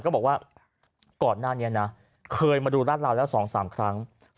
ก็บอกว่าก่อนหน้านี้นะเคยมาดูรัดราวแล้ว๒๓ครั้ง